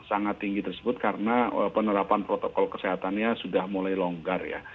sangat tinggi tersebut karena penerapan protokol kesehatannya sudah mulai longgar ya